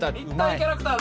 キャラクタ―か！